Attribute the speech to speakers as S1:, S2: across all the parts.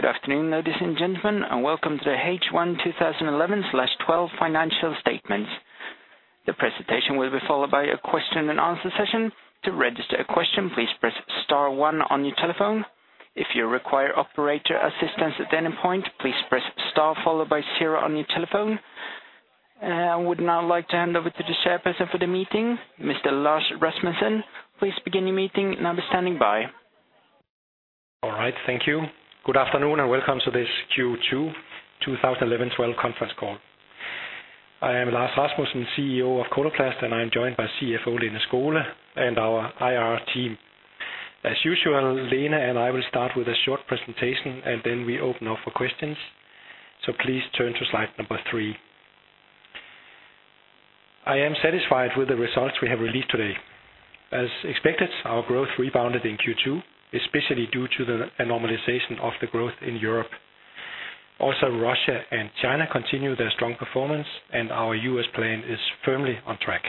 S1: Good afternoon, ladies and gentlemen, and welcome to the H1 2011/12 financial statement. The presentation will be followed by a question and answer session. To register a question, please press star one on your telephone. If you require operator assistance at any point, please press star zero on your telephone. I would now like to hand over to the chairperson for the meeting, Mr. Lars Rasmussen. Please begin your meeting, and I'll be standing by.
S2: All right. Thank you. Good afternoon, and welcome to this Q2 2011-2012 conference call. I am Lars Rasmussen, CEO of Coloplast, and I'm joined by CFO Lene Skole and our IR team. As usual, Lene and I will start with a short presentation, then we open up for questions. Please turn to slide number three. I am satisfied with the results we have released today. As expected, our growth rebounded in Q2, especially due to the normalization of the growth in Europe. Russia and China continue their strong performance, and our U.S. plan is firmly on track.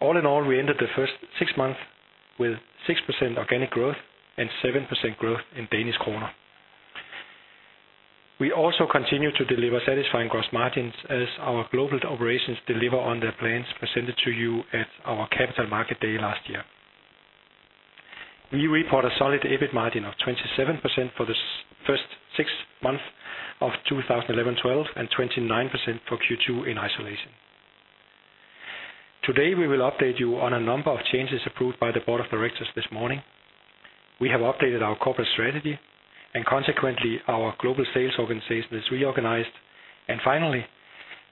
S2: All in all, we ended the first six months with 6% organic growth and 7% growth in Danish kroner. We also continue to deliver satisfying gross margins as our global operations deliver on their plans presented to you at our Capital Markets Day last year. We report a solid EBIT margin of 27% for the first six months of 2011-12, and 29% for Q2 in isolation. Today, we will update you on a number of changes approved by the board of directors this morning. We have updated our corporate strategy, and consequently, our global sales organization is reorganized, and finally,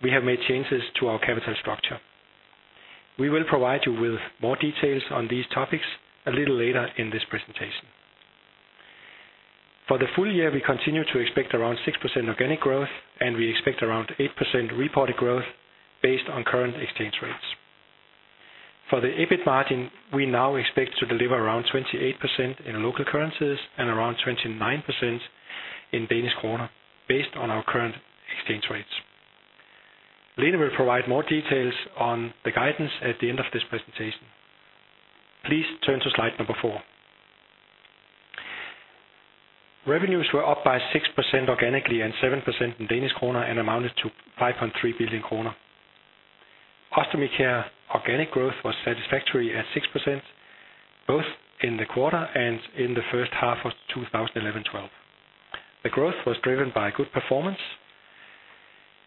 S2: we have made changes to our capital structure. We will provide you with more details on these topics a little later in this presentation. For the full year, we continue to expect around 6% organic growth, and we expect around 8% reported growth based on current exchange rates. For the EBIT margin, we now expect to deliver around 28% in local currencies and around 29% in Danish kroner based on our current exchange rates. Lene will provide more details on the guidance at the end of this presentation. Please turn to slide number four. Revenues were up by 6% organically and 7% in DKK, and amounted to 5.3 billion kroner. Ostomy care organic growth was satisfactory at 6%, both in the quarter and in the first half of 2011-2012. The growth was driven by good performance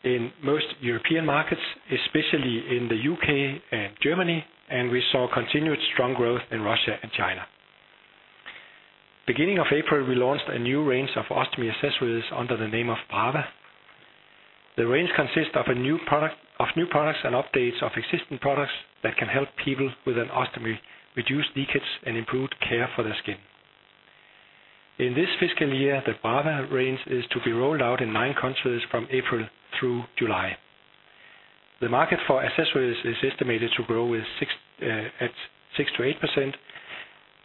S2: in most European markets, especially in the U.K. and Germany. We saw continued strong growth in Russia and China. Beginning of April, we launched a new range of ostomy accessories under the name of Brava. The range consists of new products and updates of existing products that can help people with an ostomy, reduce leakages and improve care for their skin. In this fiscal year, the Brava range is to be rolled out in nine countries from April through July. The market for accessories is estimated to grow with 6%-8%,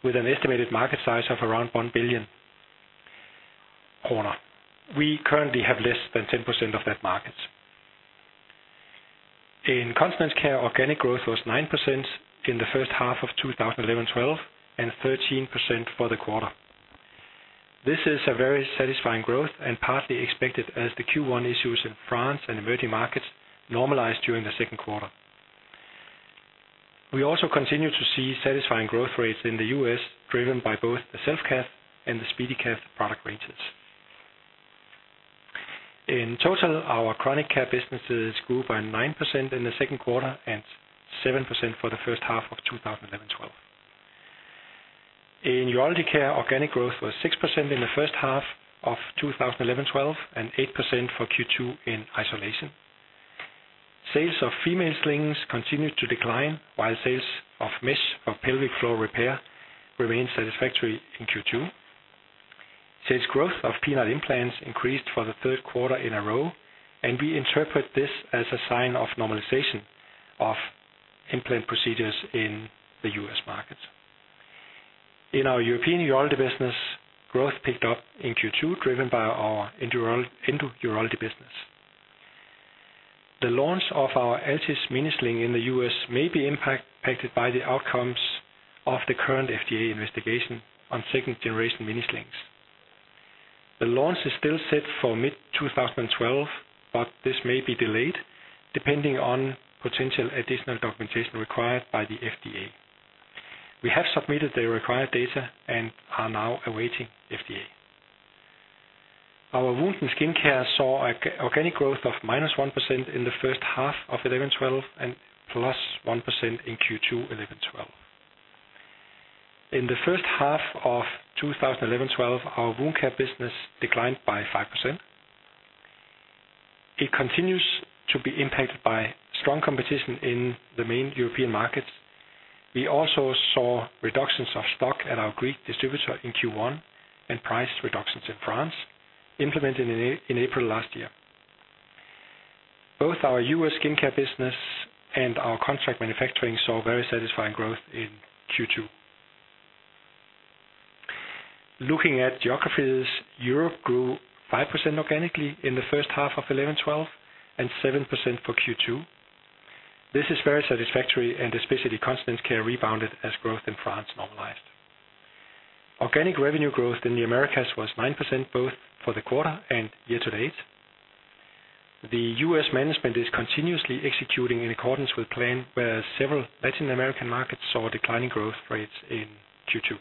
S2: with an estimated market size of around 1 billion kroner. We currently have less than 10% of that market. In continence care, organic growth was 9% in the first half of 2011-2012, and 13% for the quarter. This is a very satisfying growth and partly expected as the Q1 issues in France and emerging markets normalized during the second quarter. We also continue to see satisfying growth rates in the U.S., driven by both the Self-Cath and the SpeediCath product ranges. In total, our chronic care businesses grew by 9% in the second quarter and 7% for the first half of 2011-2012. In urology care, organic growth was 6% in the first half of 2011-2012, and 8% for Q2 in isolation. Sales of female slings continued to decline, while sales of mesh for pelvic floor repair remained satisfactory in Q2. Sales growth of penile implants increased for the third quarter in a row, we interpret this as a sign of normalization of implant procedures in the U.S. market. In our European urology business, growth picked up in Q2, driven by our endourology business. The launch of our Atlas Mini Sling in the U.S. may be impacted by the outcomes of the current FDA investigation on second-generation mini slings. The launch is still set for mid-2012, this may be delayed, depending on potential additional documentation required by the FDA. We have submitted the required data, are now awaiting FDA. Our wound and skincare saw organic growth of -1% in the first half of 2011-2012. Plus 1% in Q2 2011-2012. In the first half of 2011-2012, our wound care business declined by 5%. It continues to be impacted by strong competition in the main European markets. We also saw reductions of stock at our Greek distributor in Q1 and price reductions in France, implemented in April last year. Both our U.S. skincare business and our contract manufacturing saw very satisfying growth in Q2. Looking at geographies, Europe grew 5% organically in the first half of 2011-2012 and 7% for Q2. This is very satisfactory. Especially Continence Care rebounded as growth in France normalized. Organic revenue growth in the Americas was 9%, both for the quarter and year-to-date. The U.S. management is continuously executing in accordance with plan, where several Latin American markets saw declining growth rates in Q2.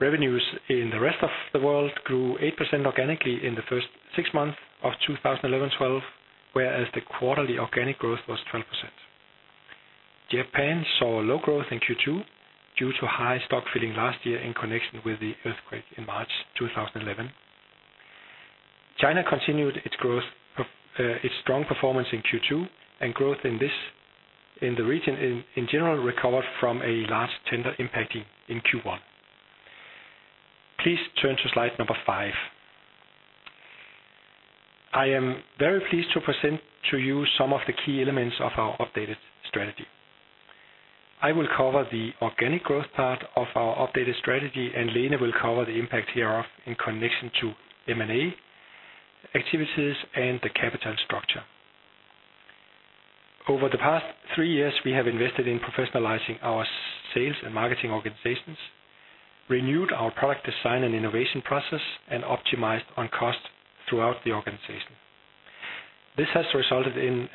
S2: Revenues in the rest of the world grew 8% organically in the first six months of 2011-2012, whereas the quarterly organic growth was 12%. Japan saw low growth in Q2 due to high stock filling last year in connection with the earthquake in March 2011. China continued its growth of its strong performance in Q2, and growth in this, in the region in general, recovered from a large tender impact in Q1. Please turn to slide number five. I am very pleased to present to you some of the key elements of our updated strategy. I will cover the organic growth part of our updated strategy. Lene will cover the impact hereof in connection to M&A activities and the capital structure. Over the past three years, we have invested in professionalizing our sales and marketing organizations, renewed our product design and innovation process, and optimized on cost throughout the organization. This has resulted in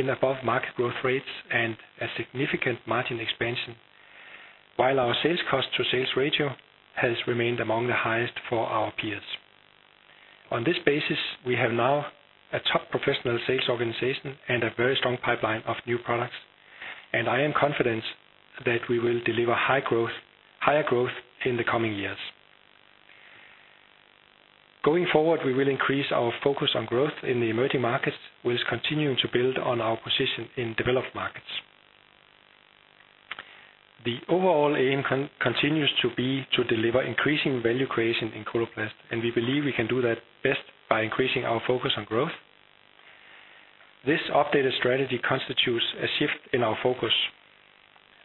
S2: above-market growth rates and a significant margin expansion, while our sales cost to sales ratio has remained among the highest for our peers. On this basis, we have now a top professional sales organization and a very strong pipeline of new products. I am confident that we will deliver higher growth in the coming years. Going forward, we will increase our focus on growth in the emerging markets, while continuing to build on our position in developed markets. The overall aim continues to be to deliver increasing value creation in Coloplast. We believe we can do that best by increasing our focus on growth. This updated strategy constitutes a shift in our focus.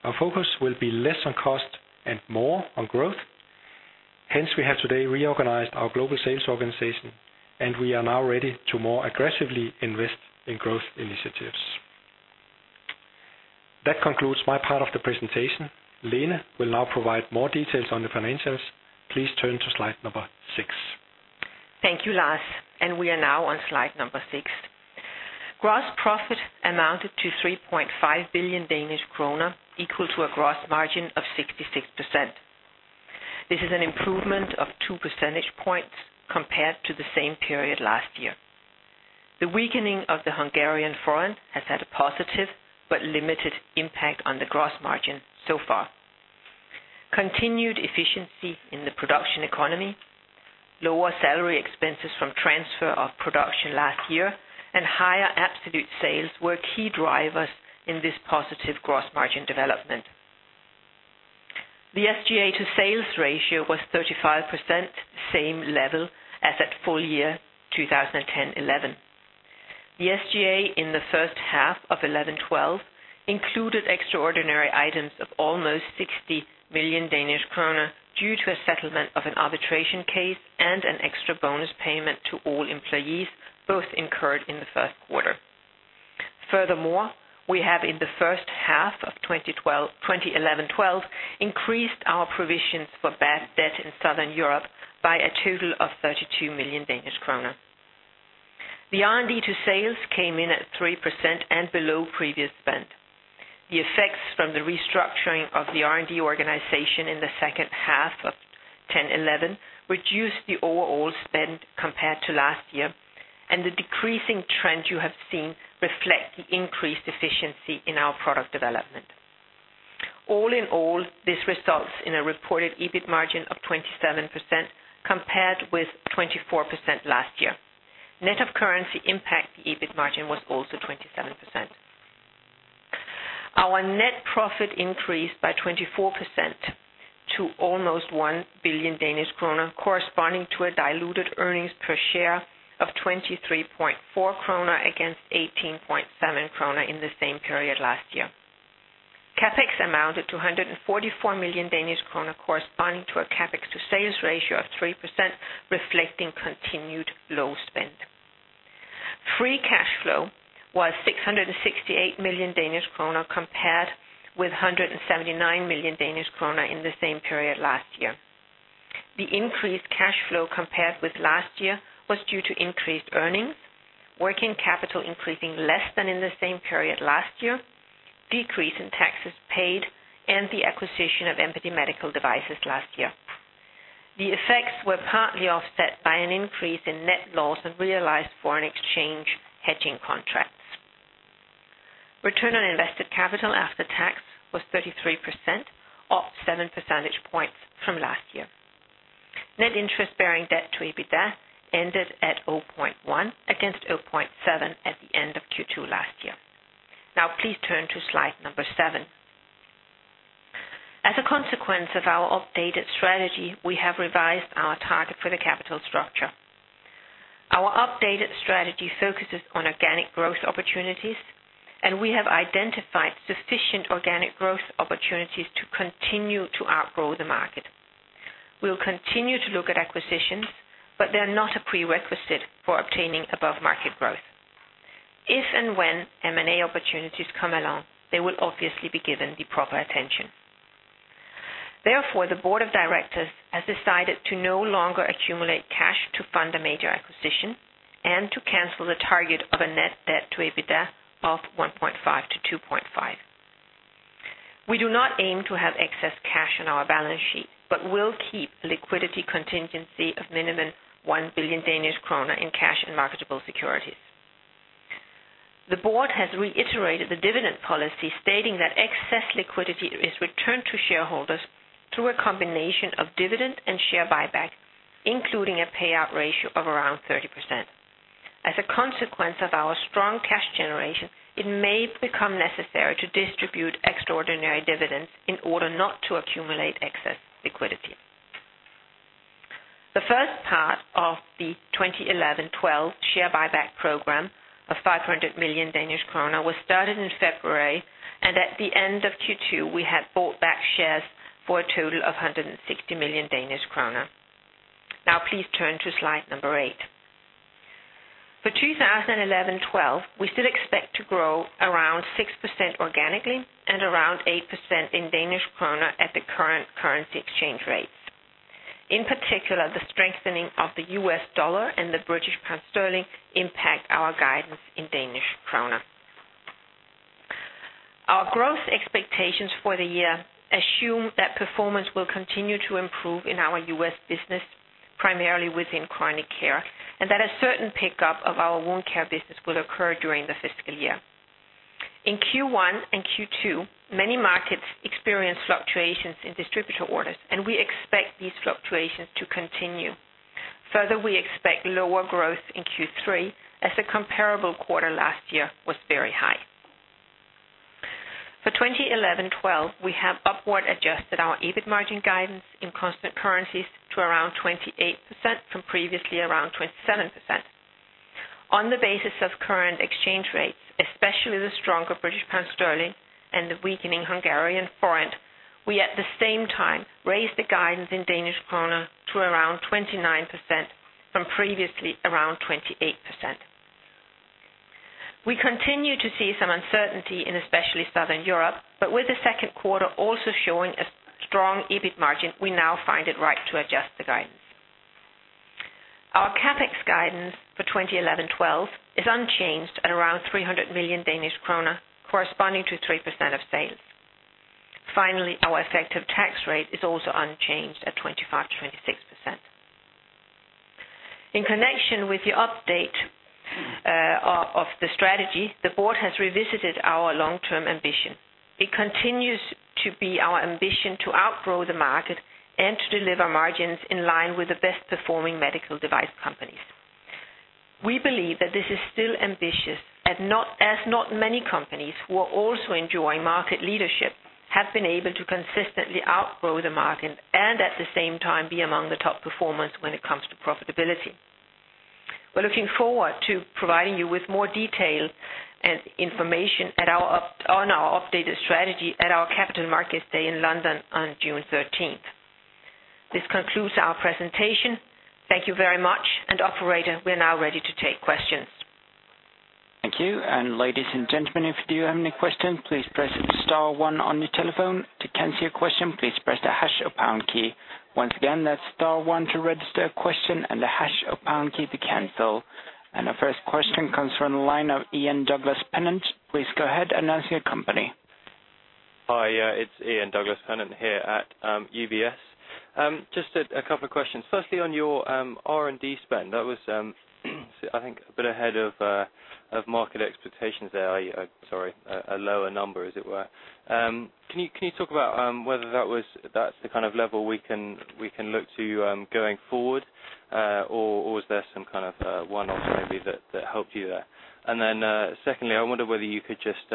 S2: Our focus will be less on cost and more on growth. We have today reorganized our global sales organization. We are now ready to more aggressively invest in growth initiatives. That concludes my part of the presentation. Lene will now provide more details on the financials. Please turn to slide number 6.
S3: Thank you, Lars. We are now on slide number six. Gross profit amounted to 3.5 billion Danish kroner, equal to a gross margin of 66%. This is an improvement of 2 percentage points compared to the same period last year. The weakening of the Hungarian forint has had a positive but limited impact on the gross margin so far. Continued efficiency in the production economy, lower salary expenses from transfer of production last year, and higher absolute sales were key drivers in this positive gross margin development. The SGA to sales ratio was 35%, same level as at full year 2010-2011. The SGA in the first half of 2011-2012 included extraordinary items of almost 60 million Danish kroner due to a settlement of an arbitration case and an extra bonus payment to all employees, both incurred in the first quarter. We have, in the first half of 2011-12, increased our provisions for bad debt in Southern Europe by a total of 32 million Danish kroner. The R&D-to-sales came in at 3% and below previous spend. The effects from the restructuring of the R&D organization in the second half of 2010-11 reduced the overall spend compared to last year, and the decreasing trend you have seen reflect the increased efficiency in our product development. All in all, this results in a reported EBIT margin of 27%, compared with 24% last year. Net of currency impact, the EBIT margin was also 27%. Our net profit increased by 24% to almost 1 billion Danish kroner, corresponding to a diluted earnings per share of 23.4 kroner against 18.7 kroner in the same period last year. CapEx amounted to 144 million Danish kroner, corresponding to a CapEx to sales ratio of 3%, reflecting continued low spend. Free cash flow was 668 million Danish krone, compared with 179 million Danish krone in the same period last year. The increased cash flow compared with last year was due to increased earnings, working capital increasing less than in the same period last year, decrease in taxes paid, and the acquisition of Mpathy Medical Devices last year. The effects were partly offset by an increase in net loss and realized foreign exchange hedging contracts. Return on invested capital after tax was 33%, up 7 percentage points from last year. Net interest-bearing debt to EBITDA ended at 0.1 against 0.7 at the end of Q2 last year. Now please turn to slide number seven. As a consequence of our updated strategy, we have revised our target for the capital structure. Our updated strategy focuses on organic growth opportunities, and we have identified sufficient organic growth opportunities to continue to outgrow the market. We'll continue to look at acquisitions, but they are not a prerequisite for obtaining above-market growth. If and when M&A opportunities come along, they will obviously be given the proper attention. The board of directors has decided to no longer accumulate cash to fund a major acquisition and to cancel the target of a net debt to EBITDA of 1.5-2.5. We do not aim to have excess cash on our balance sheet, but will keep liquidity contingency of minimum 1 billion Danish kroner in cash and marketable securities. The board has reiterated the dividend policy, stating that excess liquidity is returned to shareholders through a combination of dividend and share buyback, including a payout ratio of around 30%. As a consequence of our strong cash generation, it may become necessary to distribute extraordinary dividends in order not to accumulate excess liquidity. The first part of the 2011-2012 share buyback program of 500 million Danish krone was started in February, and at the end of Q2, we had bought back shares for a total of 160 million Danish kroner. Now please turn to slide number eight. For 2011-2012, we still expect to grow around 6% organically and around 8% in Danish kroner at the current currency exchange rates. In particular, the strengthening of the U.S. dollar and the British pound sterling impact our guidance in Danish kroner. Our growth expectations for the year assume that performance will continue to improve in our U.S. business, primarily within chronic care, and that a certain pickup of our wound care business will occur during the fiscal year. In Q1 and Q2, many markets experienced fluctuations in distributor orders, and we expect these fluctuations to continue. We expect lower growth in Q3 as the comparable quarter last year was very high. For 2011-2012, we have upward adjusted our EBIT margin guidance in constant currencies to around 28% from previously around 27%. On the basis of current exchange rates, especially the stronger British pound sterling and the weakening Hungarian forint, we at the same time raised the guidance in Danish kroner to around 29% from previously around 28%. We continue to see some uncertainty in especially Southern Europe, with the second quarter also showing a strong EBIT margin, we now find it right to adjust the guidance. Our CapEx guidance for 2011-2012 is unchanged at around 300 million Danish krone, corresponding to 3% of sales. Our effective tax rate is also unchanged at 25%-26%. In connection with the update of the strategy, the board has revisited our long-term ambition. It continues to be our ambition to outgrow the market and to deliver margins in line with the best-performing medical device companies. We believe that this is still ambitious, as not many companies who are also enjoying market leadership have been able to consistently outgrow the market and at the same time be among the top performers when it comes to profitability. We're looking forward to providing you with more detail and information on our updated strategy at our Capital Markets Day in London on June thirteenth. This concludes our presentation. Thank you very much. Operator, we're now ready to take questions.
S1: Thank you. Ladies and gentlemen, if you have any questions, please press star one on your telephone. To cancel your question, please press the hash or pound key. Once again, that's star one to register a question and the hash or pound key to cancel. Our first question comes from the line of Ian Douglas-Pennant. Please go ahead and announce your company.
S4: Hi, it's Ian Douglas-Pennant here at UBS. Just a couple of questions. Firstly, on your R&D spend, that was, I think a bit ahead of market expectations there. Sorry, a lower number, as it were. Can you talk about whether that was, that's the kind of level we can look to going forward, or is there some kind of one-off maybe that helped you there? Secondly, I wonder whether you could just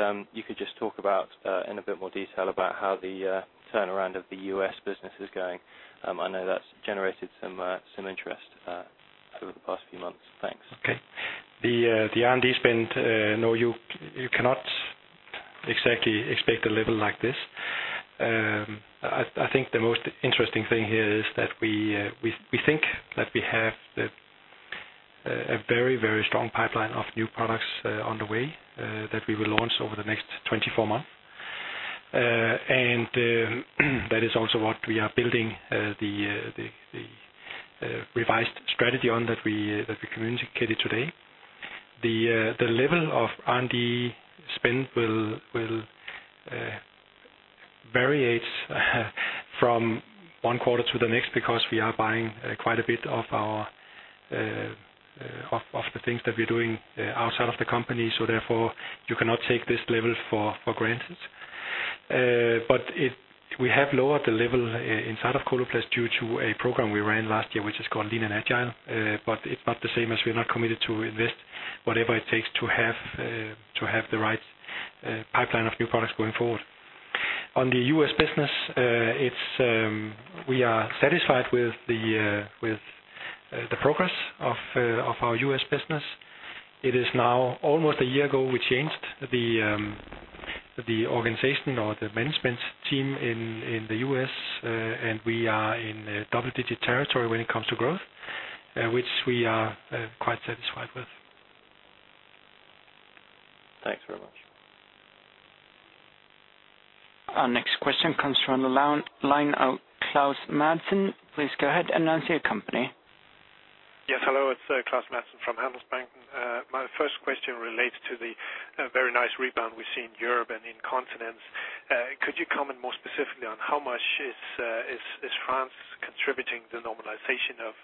S4: talk about in a bit more detail about how the turnaround of the U.S. business is going. I know that's generated some interest over the past few months. Thanks.
S3: Okay. The R&D spend, you cannot exactly expect a level like this. I think the most interesting thing here is that we think that we have a very, very strong pipeline of new products on the way that we will launch over the next 24 months. That is also what we are building the revised strategy on that we communicated today. The level of R&D spend will variate from one quarter to the next, because we are buying quite a bit of our of the things that we're doing outside of the company, you cannot take this level for granted. We have lowered the level inside of Coloplast due to a program we ran last year, which is called Lean and Agile. It's not the same as we're not committed to invest whatever it takes to have the right pipeline of new products going forward. On the U.S. business, it's we are satisfied with the progress of our U.S. business.
S2: It is now almost a year ago, we changed the organization or the management team in the U.S. We are in double-digit territory when it comes to growth, which we are quite satisfied with.
S4: Thanks very much.
S1: Our next question comes from the line of Klaus Madsen. Please go ahead and announce your company.
S5: Yes, hello, it's Klaus Madsen from Handelsbanken. My first question relates to the very nice rebound we see in Europe and in continents. Could you comment more specifically on how much is France contributing the normalization of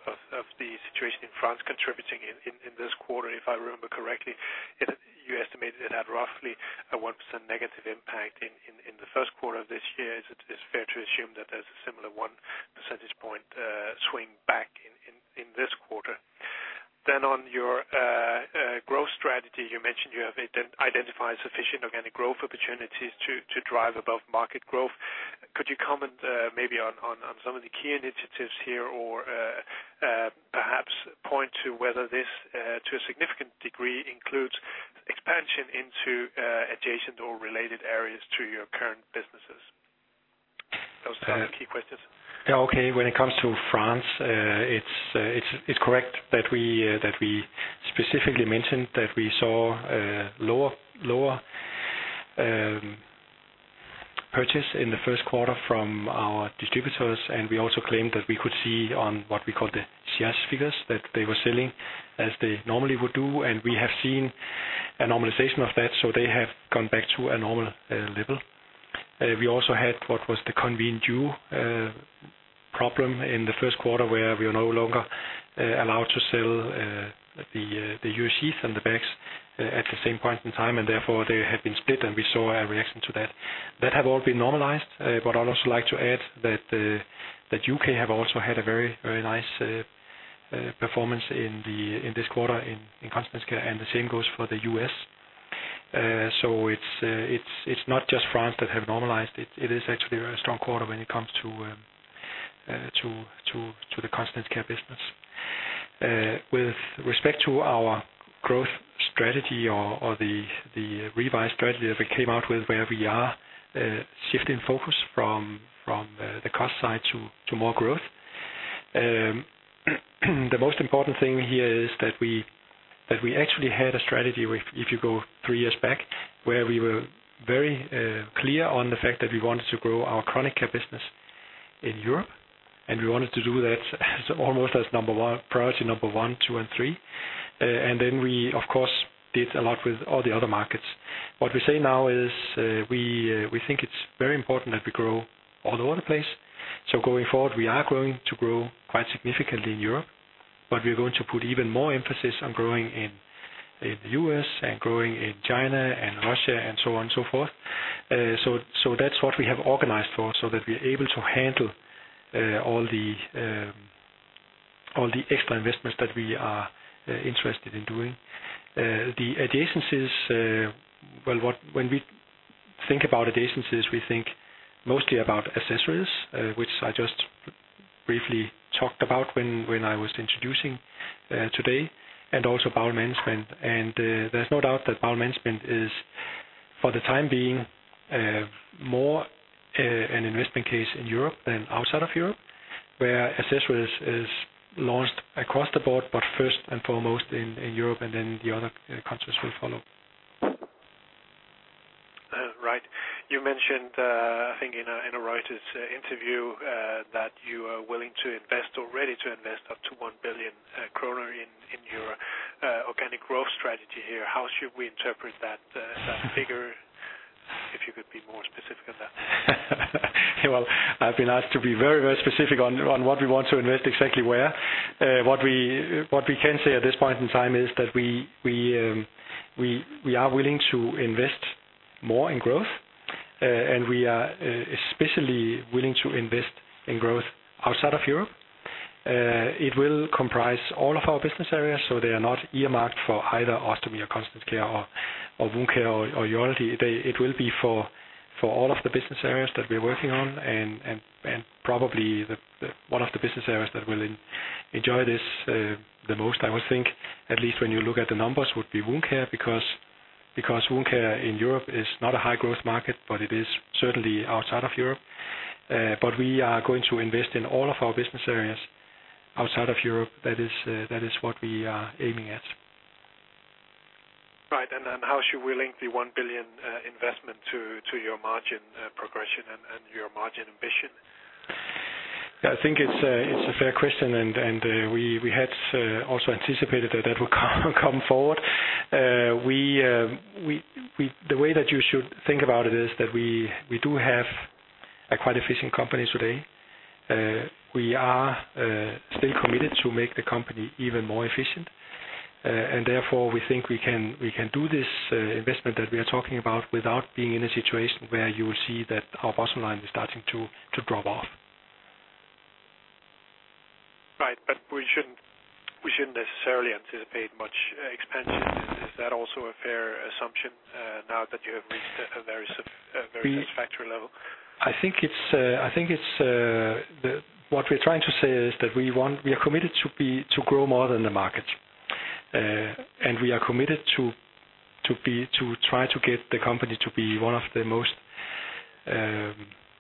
S5: the situation in France, contributing in this quarter? If I remember correctly, you estimated it had roughly a 1% negative impact in the first quarter of this year. Is it fair to assume that there's a similar 1 percentage point swing back in this quarter? On your growth strategy, you mentioned you have identified sufficient organic growth opportunities to drive above market growth. Could you comment, maybe on some of the key initiatives here, or, perhaps point to whether this, to a significant degree, includes expansion into, adjacent or related areas to your current businesses? Those are the key questions.
S2: Okay. When it comes to France, it's correct that we specifically mentioned that we saw lower purchase in the first quarter from our distributors. We also claimed that we could see on what we call the CS figures, that they were selling as they normally would do. We have seen a normalization of that, so they have gone back to a normal level. We also had what was the convenient due problem in the first quarter, where we are no longer allowed to sell the urine sheaths and the bags at the same point in time. Therefore, they had been split. We saw a reaction to that. That have all been normalized. I'd also like to add that the U.K. have also had a very, very nice performance in this quarter in Continence Care and the same goes for the U.S. It's not just France that have normalized. It is actually a very strong quarter when it comes to the Continence Care business. With respect to our growth strategy or the revised strategy that we came out with, where we are shifting focus from the cost side to more growth. The most important thing here is that we, that we actually had a strategy, if you go three years back, where we were very clear on the fact that we wanted to grow our chronic care business in Europe, and we wanted to do that as almost as number one, priority number one, two, and three. We, of course, did a lot with all the other markets. What we say now is, we think it's very important that we grow all over the place. Going forward, we are going to grow quite significantly in Europe, but we are going to put even more emphasis on growing in the U.S. and growing in China and Russia and so on and so forth. That's what we have organized for, so that we're able to handle all the extra investments that we are interested in doing. The adjacencies, well, when we think about adjacencies, we think mostly about accessories, which I just briefly talked about when I was introducing today, and also bowel management. There's no doubt that bowel management is, for the time being, more an investment case in Europe than outside of Europe, where accessories is launched across the board, but first and foremost in Europe, and then the other countries will follow.
S5: Right. You mentioned, I think in a, in a Reuters interview, that you are willing to invest or ready to invest up to 1 billion kroner in your, organic growth strategy here. How should we interpret that figure? If you could be more specific on that.
S2: I've been asked to be very, very specific on what we want to invest exactly where. What we can say at this point in time is that we are willing to invest more in growth, and we are especially willing to invest in growth outside of Europe. It will comprise all of our business areas, so they are not earmarked for either ostomy or continence care or wound care or urology. It will be for all of the business areas that we're working on, and probably the one of the business areas that will enjoy this, the most, I would think, at least when you look at the numbers, would be wound care, because wound care in Europe is not a high growth market, but it is certainly outside of Europe. We are going to invest in all of our business areas outside of Europe. That is what we are aiming at.
S5: Right. Then, how should we link the 1 billion investment to your margin progression and your margin ambition?
S2: Yeah, I think it's a fair question, and we had also anticipated that that would come forward. The way that you should think about it is that we do have a quite efficient company today. We are still committed to make the company even more efficient, and therefore, we think we can do this investment that we are talking about without being in a situation where you will see that our bottom line is starting to drop off.
S5: Right. We shouldn't necessarily anticipate much expansion. Is that also a fair assumption, now that you have reached a very, very satisfactory level?
S2: I think it's, what we're trying to say is that we are committed to be, to grow more than the market. We are committed to be, to try to get the company to be one of the most,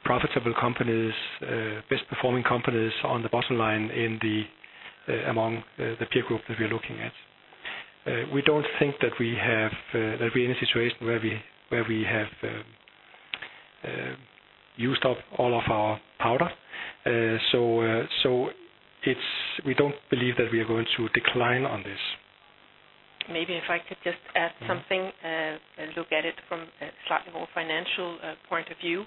S2: profitable companies, best performing companies on the bottom line in the, among the peer group that we're looking at. We don't think that we have, that we're in a situation where we have, used up all of our powder. We don't believe that we are going to decline on this.
S3: Maybe if I could just add something, and look at it from a slightly more financial point of view.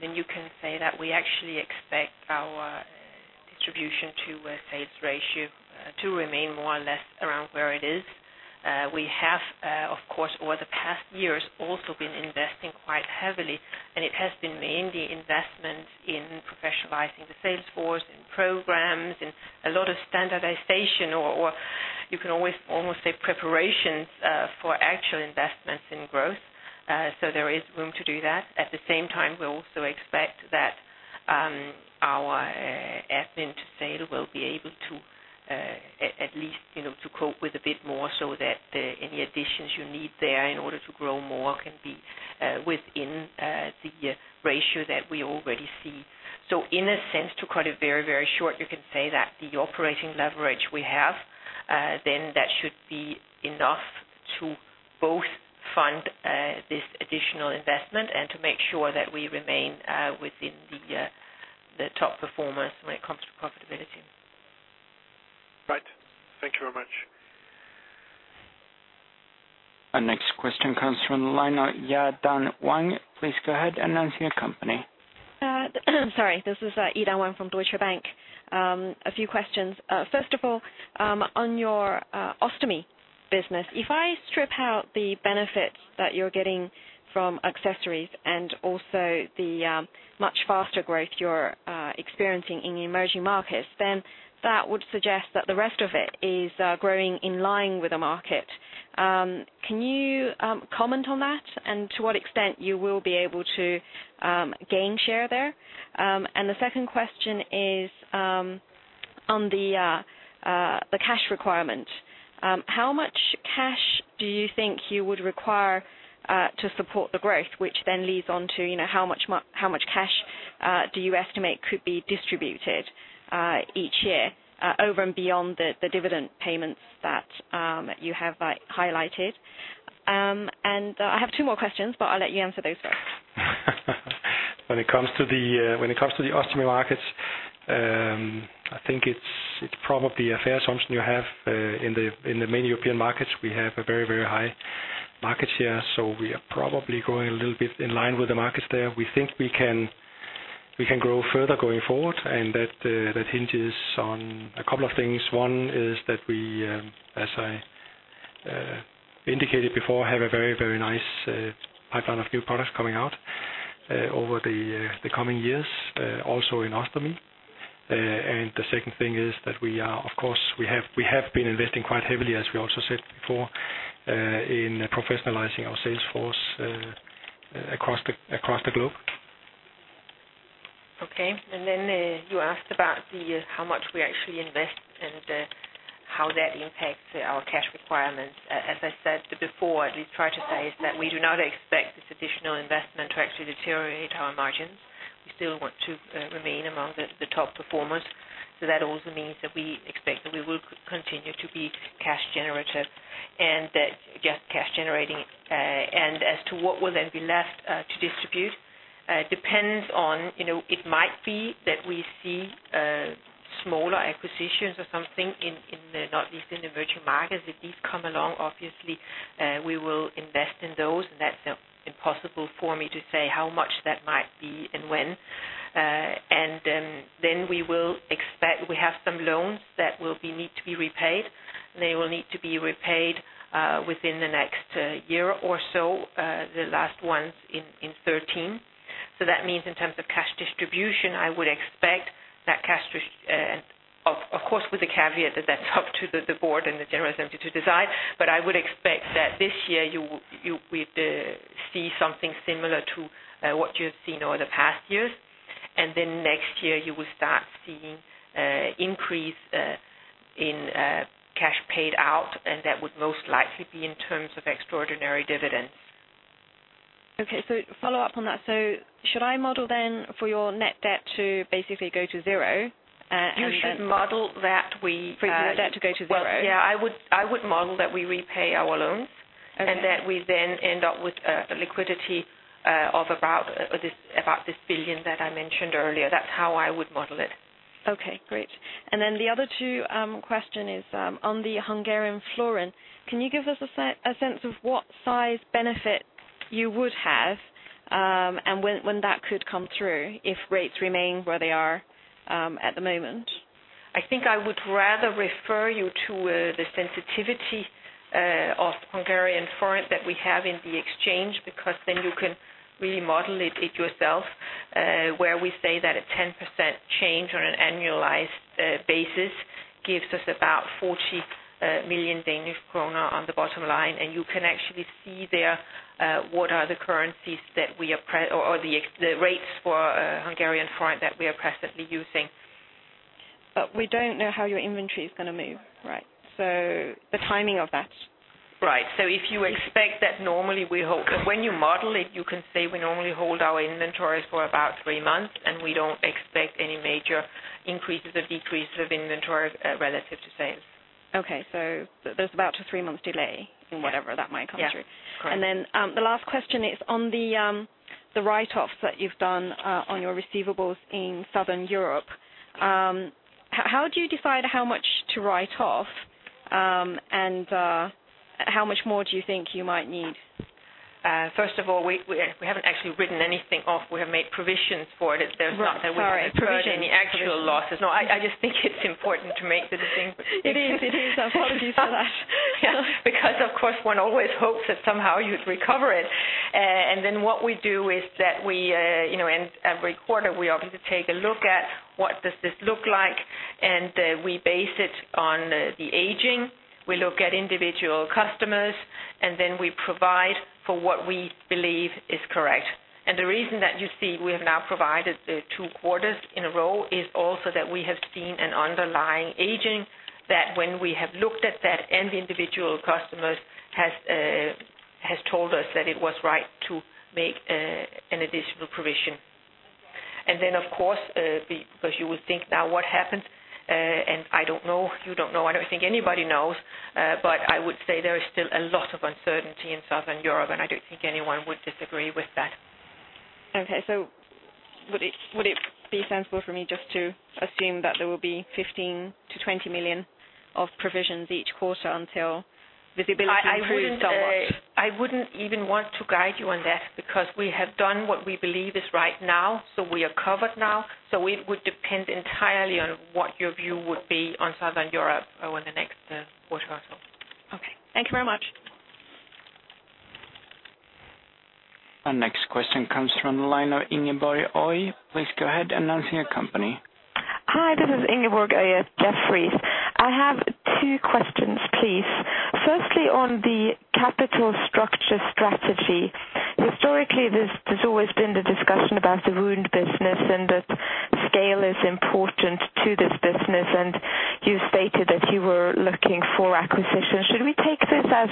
S3: You can say that we actually expect our distribution to sales ratio to remain more or less around where it is. We have, of course, over the past years, also been investing quite heavily, and it has been mainly investment in professionalizing the sales force and programs, and a lot of standardization or you can always almost say, preparations for actual investments in growth. There is room to do that. At the same time, we also expect that our admin to sale will be able to at least, you know, to cope with a bit more so that any additions you need there in order to grow more can be within the ratio that we already see. In a sense, to cut it very, very short, you can say that the operating leverage we have, then that should be enough to both fund this additional investment and to make sure that we remain within the top performers when it comes to profitability.
S5: Right. Thank you very much.
S1: Our next question comes from the line of Yi-Dan Wang. Please go ahead and announce your company.
S6: Sorry, this is Yi-dan Wang from Deutsche Bank. A few questions. First of all, on your ostomy business, if I strip out the benefits that you're getting from accessories and also the much faster growth you're experiencing in the emerging markets, then that would suggest that the rest of it is growing in line with the market. Can you comment on that, and to what extent you will be able to gain share there? The second question is on the cash requirement. How much cash do you think you would require to support the growth, which then leads on to, you know, how much cash do you estimate could be distributed each year over and beyond the dividend payments that you have highlighted? I have two more questions, but I'll let you answer those first.
S2: When it comes to the ostomy markets, I think it's probably a fair assumption you have. In the many European markets, we have a very, very high market share, so we are probably growing a little bit in line with the markets there. We think we can grow further going forward, and that hinges on a couple of things. One is that we, as I indicated before, have a very, very nice pipeline of new products coming out over the coming years, also in ostomy. And the second thing is that we are, of course, we have been investing quite heavily, as we also said before, in professionalizing our sales force across the globe.
S3: You asked about how much we actually invest and how that impacts our cash requirements. As I said before, we try to say is that we do not expect this additional investment to actually deteriorate our margins. We still want to remain among the top performers. That also means that we expect that we will continue to be cash generative, just cash generating. As to what will then be left to distribute depends on, you know, it might be that we see smaller acquisitions or something in the, not least in the emerging markets. If these come along, obviously, we will invest in those, and that's impossible for me to say how much that might be and when. We have some loans that will be, need to be repaid, and they will need to be repaid within the next year or so, the last ones in 13. That means in terms of cash distribution, I would expect that cash of course, with the caveat that that's up to the board and the general assembly to decide. I would expect that this year, we'd see something similar to what you've seen over the past years. Next year you will start seeing increase in cash paid out, and that would most likely be in terms of extraordinary dividends.
S6: Okay. Follow up on that. Should I model then for your net debt to basically go to zero?
S3: You should model that we.
S6: For net debt to go to zero.
S3: Yeah, I would model that we repay our loans.
S6: Okay.
S3: That we then end up with, a liquidity, of about, this, about this 1 billion that I mentioned earlier. That's how I would model it.
S6: Okay, great. Then the other two, question is, on the Hungarian forint, can you give us a sense of what size benefit you would have? When that could come through if rates remain where they are, at the moment?
S3: I think I would rather refer you to the sensitivity of Hungarian forint that we have in the exchange, because then we model it yourself, where we say that a 10% change on an annualized basis gives us about 40 million Danish kroner on the bottom line. You can actually see there what are the currencies that we are the rates for Hungarian forint that we are presently using.
S6: We don't know how your inventory is going to move, right? The timing of that.
S3: Right. If you expect that normally when you model it, you can say we normally hold our inventories for about three months, and we don't expect any major increases or decreases of inventories relative to sales.
S6: Okay. There's about a three-month delay in whatever that might come through.
S3: Yeah. Correct.
S6: The last question is on the write-offs that you've done on your receivables in Southern Europe. How do you decide how much to write off, and how much more do you think you might need?
S3: First of all, we haven't actually written anything off. We have made provisions for it.
S6: Right. Sorry. Provisions.
S3: Any actual losses. No, I just think it's important to make the distinction.
S6: It is, it is. Apologies for that.
S3: Yeah. Of course, one always hopes that somehow you'd recover it. What we do is that we, you know, in every quarter, we obviously take a look at what does this look like, and we base it on the aging. We look at individual customers, and then we provide for what we believe is correct. The reason that you see, we have now provided, two quarters in a row is also that we have seen an underlying aging, that when we have looked at that, and the individual customers has told us that it was right to make an additional provision. Of course, because you would think now, what happened? I don't know. You don't know. I don't think anybody knows, but I would say there is still a lot of uncertainty in Southern Europe, and I don't think anyone would disagree with that.
S6: Okay. Would it be sensible for me just to assume that there will be 15 million-20 million of provisions each quarter until visibility improves so much?
S3: I wouldn't even want to guide you on that because we have done what we believe is right now, so we are covered now. It would depend entirely on what your view would be on Southern Europe over the next quarter or so.
S6: Okay. Thank you very much.
S1: Our next question comes from the line of Ingeborg Øie. Please go ahead and announce your company.
S7: Hi, this is Ingeborg Øie at Jefferies. I have two questions, please. Firstly, on the capital structure strategy. Historically, there's always been the discussion about the wound business and that scale is important to this business, and you stated that you were looking for acquisitions. Should we take this as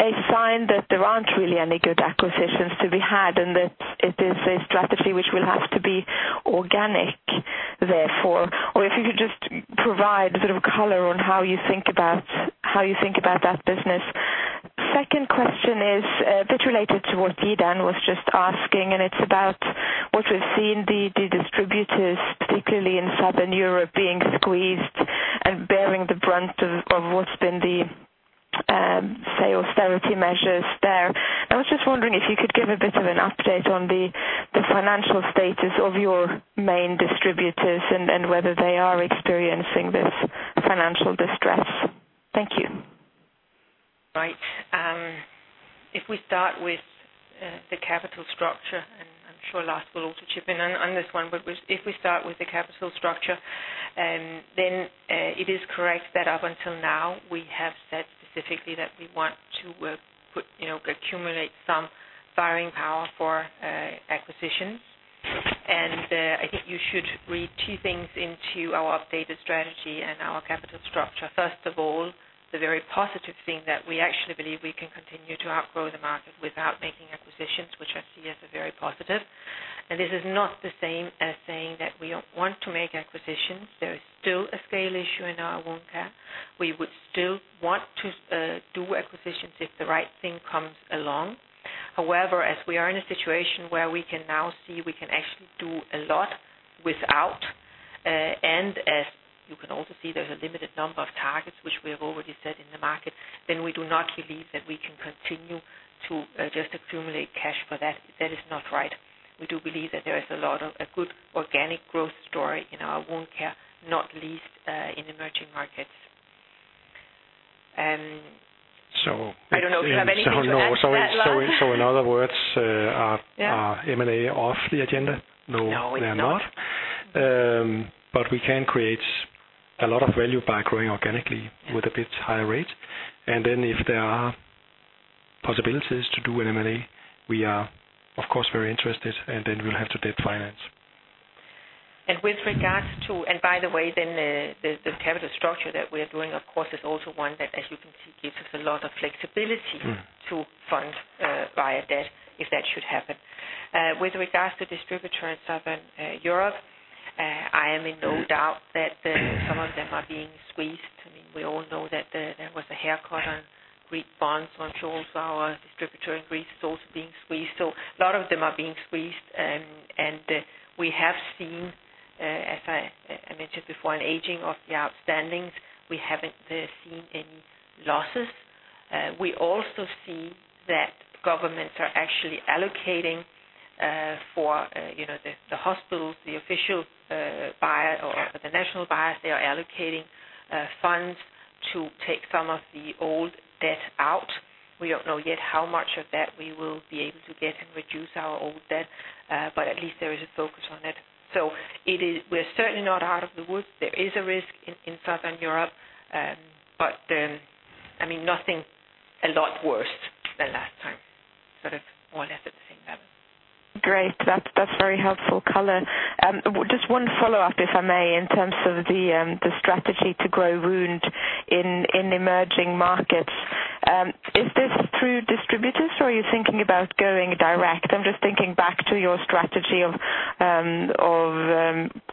S7: a sign that there aren't really any good acquisitions to be had, and that it is a strategy which will have to be organic, therefore? Or if you could just provide a bit of color on how you think about that business? Second question is a bit related to what Yi-Dan was just asking, and it's about what we've seen the distributors, particularly in Southern Europe, being squeezed and bearing the brunt of what's been the say, austerity measures there. I was just wondering if you could give a bit of an update on the financial status of your main distributors and whether they are experiencing this financial distress. Thank you.
S3: Right. If we start with the capital structure, and I'm sure Lars will also chip in on this one, but if we start with the capital structure, then it is correct that up until now, we have said specifically that we want to, you know, accumulate some firing power for acquisitions. I think you should read two things into our updated strategy and our capital structure. First of all, the very positive thing that we actually believe we can continue to outgrow the market without making acquisitions, which I see as a very positive. This is not the same as saying that we don't want to make acquisitions. There is still a scale issue in our wound care. We would still want to do acquisitions if the right thing comes along. As we are in a situation where we can now see, we can actually do a lot without, as you can also see, there's a limited number of targets which we have already said in the market, we do not believe that we can continue to just accumulate cash for that. That is not right. We do believe that there is a lot of a good organic growth story in our wound care, not least, in emerging markets. I don't know if you have anything to add to that, Lars?
S2: In other words.
S3: Yeah.
S2: Are M&A off the agenda?
S3: No, we're not.
S2: No, they are not. We can create a lot of value by growing organically-
S3: Yeah.
S2: with a bit higher rate. If there are possibilities to do an M&A, we are, of course, very interested, and then we'll have to debt finance.
S3: With regards to... By the way, then, the capital structure that we are doing, of course, is also one that, as you can see, gives us a lot of flexibility.
S2: Mm-hmm.
S3: To fund via debt, if that should happen. With regards to distributor in Southern Europe, I am in no doubt that some of them are being squeezed. I mean, we all know that there was a haircut on Greek bonds, I'm sure also our distributor in Greece is also being squeezed. A lot of them are being squeezed, and we have seen, as I mentioned before, an aging of the outstandings. We haven't seen any losses. We also see that governments are actually allocating for, you know, the hospitals, the official buyer or the national buyers, they are allocating funds... to take some of the old debt out. We don't know yet how much of that we will be able to get and reduce our old debt, but at least there is a focus on it. We're certainly not out of the woods. There is a risk in Southern Europe. I mean, nothing a lot worse than last time, sort of more or less at the same level.
S7: Great. That's very helpful color. Just one follow-up, if I may, in terms of the strategy to grow wound in emerging markets. Is this through distributors, or are you thinking about going direct? I'm just thinking back to your strategy of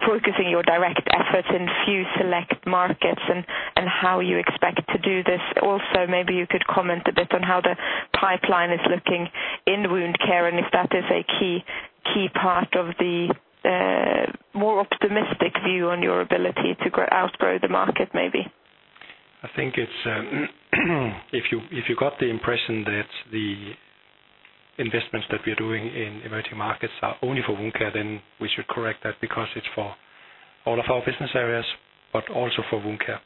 S7: focusing your direct efforts in few select markets and how you expect to do this. Maybe you could comment a bit on how the pipeline is looking in wound care, and if that is a key part of the more optimistic view on your ability to grow, outgrow the market, maybe.
S2: I think it's, if you, if you got the impression that the investments that we are doing in emerging markets are only for wound care, then we should correct that because it's for all of our business areas, but also for wound care.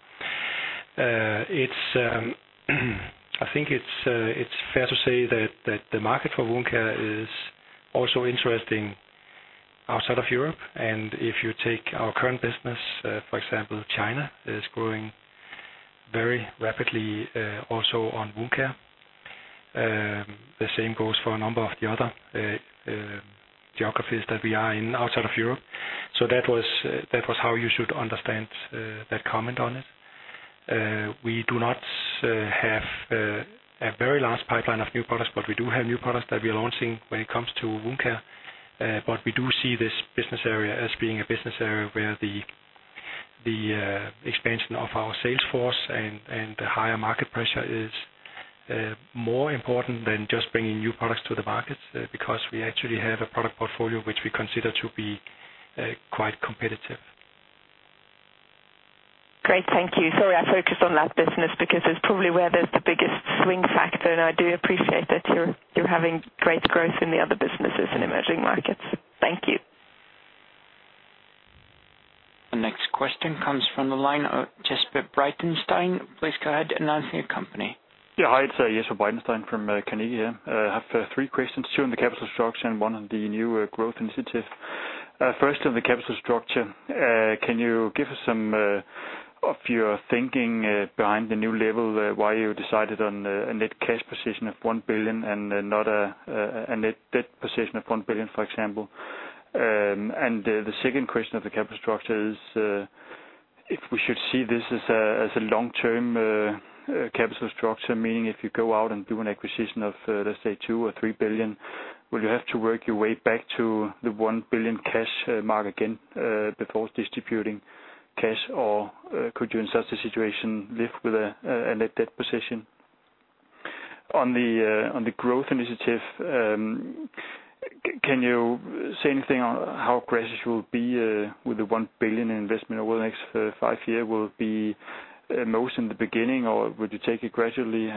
S2: It's, I think it's fair to say that the market for wound care is also interesting outside of Europe. If you take our current business, for example, China is growing very rapidly, also on wound care. The same goes for a number of the other geographies that we are in outside of Europe. That was how you should understand that comment on it. We do not have a very large pipeline of new products, but we do have new products that we are launching when it comes to wound care. We do see this business area as being a business area where the expansion of our sales force and the higher market pressure is more important than just bringing new products to the market, because we actually have a product portfolio which we consider to be quite competitive.
S7: Great, thank you. Sorry, I focused on that business because it's probably where there's the biggest swing factor. I do appreciate that you're having great growth in the other businesses in emerging markets. Thank you.
S1: The next question comes from the line of Jesper Breitenstein. Please go ahead and announce your company.
S8: Yeah, hi, it's Jesper Breitenstein from Carnegie. I have three questions, two on the capital structure and one on the new growth initiative. First, on the capital structure, can you give us some of your thinking behind the new level, why you decided on a net cash position of 1 billion and not a net debt position of 1 billion, for example? The second question of the capital structure is, if we should see this as a long-term capital structure, meaning if you go out and do an acquisition of, let's say, 2 billion or 3 billion, will you have to work your way back to the 1 billion cash mark again, before distributing cash, or could you, in such a situation, live with a net debt position? On the on the growth initiative, can you say anything on how aggressive you will be with the 1 billion investment over the next five year? Will it be most in the beginning, or would you take it gradually,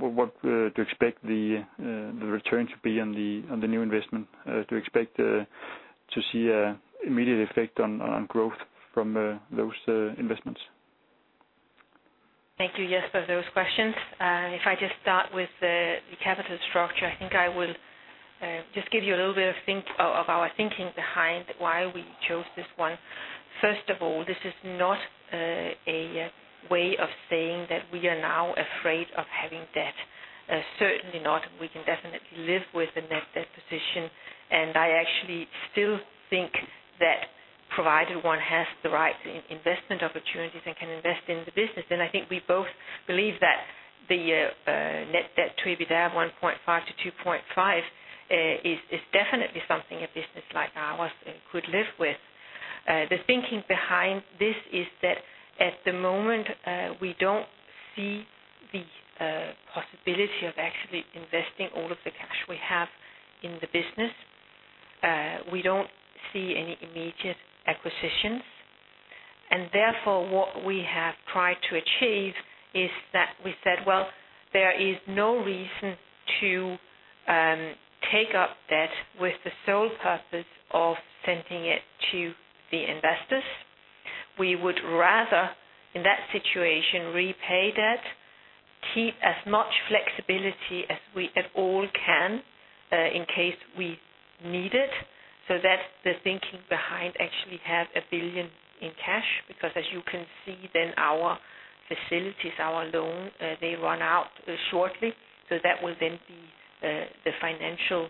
S8: what to expect the return to be on the new investment? Do you expect to see a immediate effect on growth from those investments?
S3: Thank you, Jesper, for those questions. I just start with the capital structure, I think I will just give you a little bit of our thinking behind why we chose this one. This is not a way of saying that we are now afraid of having debt. Certainly not. We can definitely live with the net debt position, I actually still think that provided one has the right investment opportunities and can invest in the business, then I think we both believe that the net debt to EBITDA 1.5-2.5 is definitely something a business like ours could live with. The thinking behind this is that at the moment, we don't see the possibility of actually investing all of the cash we have in the business. We don't see any immediate acquisitions. Therefore, what we have tried to achieve is that we said: Well, there is no reason to take up debt with the sole purpose of sending it to the investors. We would rather, in that situation, repay debt, keep as much flexibility as we at all can in case we need it. That's the thinking behind actually have 1 billion in cash, because as you can see, then our facilities, our loan, they run out shortly. That will then be the financial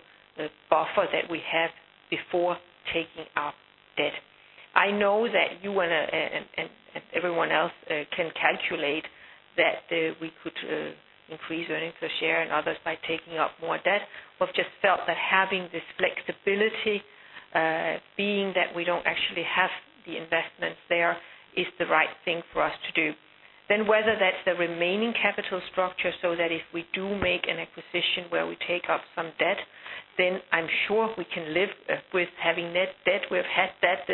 S3: buffer that we have before taking up debt. I know that you wanna, and everyone else, can calculate that, we could increase earnings per share and others by taking up more debt. We've just felt that having this flexibility, being that we don't actually have the investments there, is the right thing for us to do. Whether that's the remaining capital structure, so that if we do make an acquisition where we take up some debt, then I'm sure we can live with having net debt. We've had debt,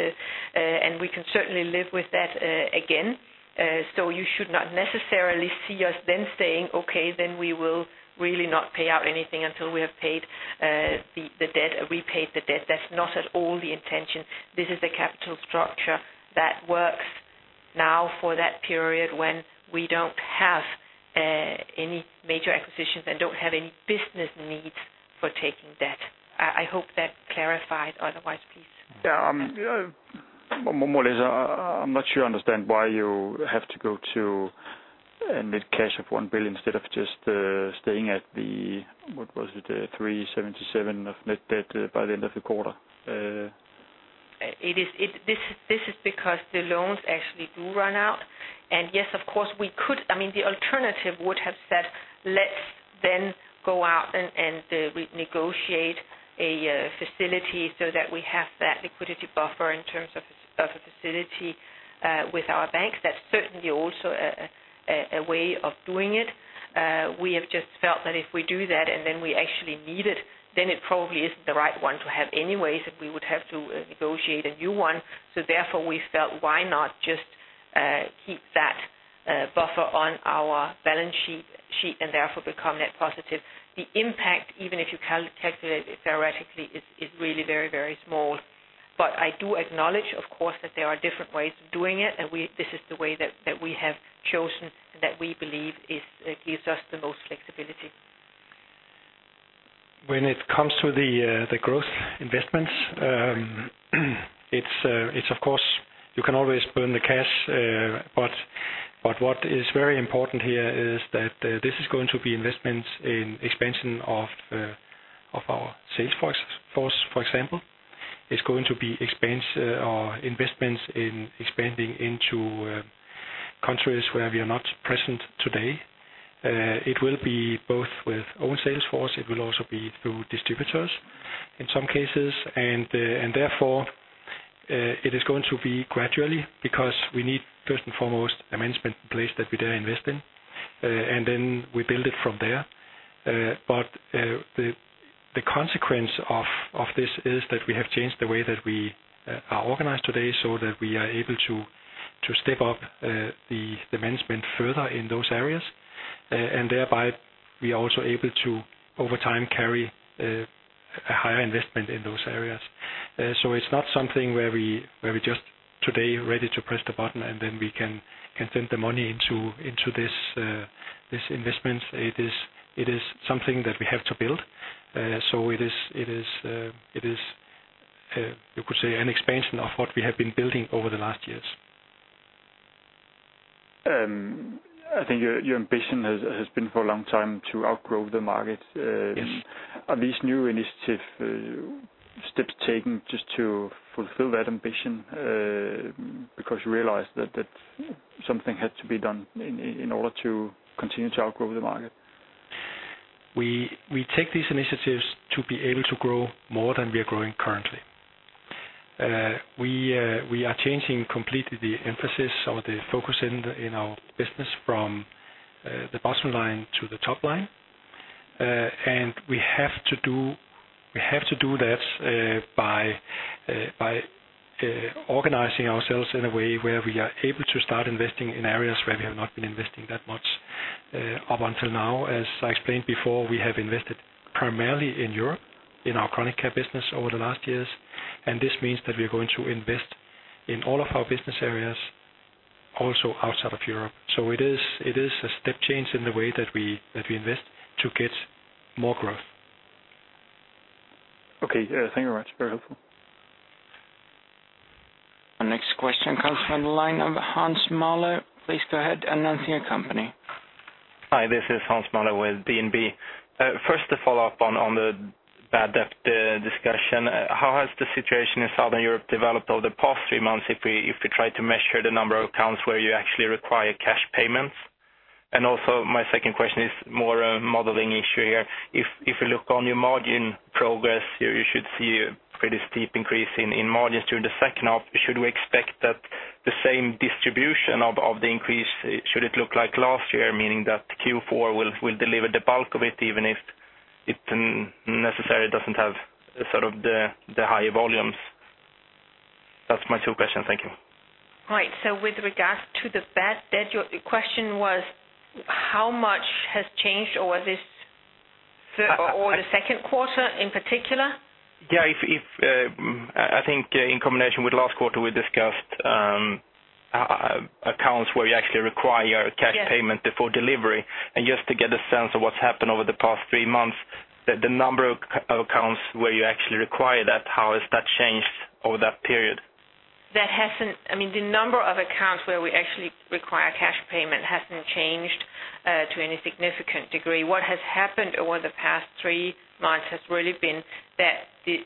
S3: and we can certainly live with debt again. You should not necessarily see us then saying: "Okay, then we will really not pay out anything until we have repaid the debt." That's not at all the intention. This is the capital structure that works now for that period when we don't have any major acquisitions and don't have any business needs for taking debt. I hope that clarified, otherwise, please.
S8: Well, more or less, I'm not sure I understand why you have to go to a net cash of 1 billion instead of just staying at the, what was it, 377 of net debt by the end of the quarter?
S3: It is, this is because the loans actually do run out. Yes, of course, we could I mean, the alternative would have said, let's then go out and we negotiate a facility so that we have that liquidity buffer in terms of a facility with our bank. That's certainly also a way of doing it. We have just felt that if we do that, and then we actually need it, then it probably isn't the right one to have anyways, and we would have to negotiate a new one. Therefore, we felt why not just keep that buffer on our balance sheet, and therefore become net positive. The impact, even if you calculate it theoretically, is really very, very small. I do acknowledge, of course, that there are different ways of doing it. This is the way that we have chosen, that we believe is, gives us the most flexibility.
S2: When it comes to the growth investments, it's of course, you can always burn the cash. What is very important here is that this is going to be investments in expansion of our sales force, for example. It's going to be investments in expanding into countries where we are not present today. It will be both with own sales force, it will also be through distributors, in some cases. Therefore, it is going to be gradually, because we need, first and foremost, a management in place that we then invest in, and then we build it from there. The consequence of this is that we have changed the way that we are organized today, so that we are able to step up the management further in those areas. Thereby, we are also able to, over time, carry a higher investment in those areas. It's not something where we just today ready to press the button, and then we can send the money into this investment. It is something that we have to build. It is, you could say, an expansion of what we have been building over the last years.
S8: I think your ambition has been for a long time to outgrow the market.
S2: Yes.
S8: Are these new initiative, steps taken just to fulfill that ambition, because you realized that something had to be done in order to continue to outgrow the market?
S2: We take these initiatives to be able to grow more than we are growing currently. We are changing completely the emphasis or the focus in our business from the bottom line to the top line. We have to do that by organizing ourselves in a way where we are able to start investing in areas where we have not been investing that much up until now. As I explained before, we have invested primarily in Europe, in our chronic care business over the last years. This means that we're going to invest in all of our business areas, also outside of Europe. It is a step change in the way that we invest to get more growth.
S8: Okay, thank you very much. Very helpful.
S1: Our next question comes from the line of Hans Mähler. Please go ahead and announce your company.
S9: Hi, this is Hans Mähler with DNB. First, to follow up on the bad debt discussion. How has the situation in Southern Europe developed over the past three months, if we try to measure the number of accounts where you actually require cash payments? Also, my second question is more a modeling issue here. If you look on your margin progress, you should see a pretty steep increase in margins during the second half. Should we expect that the same distribution of the increase, should it look like last year, meaning that Q4 will deliver the bulk of it, even if it necessarily doesn't have sort of the higher volumes? That's my two questions. Thank you.
S3: Right. With regards to the bad debt, your question was, how much has changed over this third or the second quarter in particular.
S9: Yeah, if I think in combination with last quarter, we discussed accounts where you actually require cash-
S3: Yes...
S9: payment before delivery. Just to get a sense of what's happened over the past three months, the number of accounts where you actually require that, how has that changed over that period?
S3: I mean, the number of accounts where we actually require cash payment hasn't changed to any significant degree. What has happened over the past three months has really been that the